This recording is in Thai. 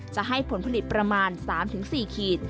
จะให้ผลผลิตประมาณ๓๔ขีด